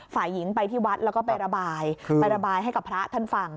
ฝ่ายหญิงไปที่วัดแล้วก็ไประบายไประบายให้กับพระท่านฟัง